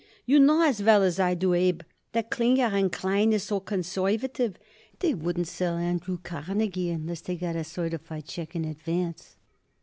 You know as well as I do, Abe, that Klinger & Klein is so conservative they wouldn't sell Andrew Carnegie unless they got a certified check in advance."